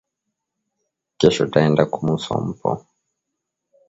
Kesho taenda kumusompo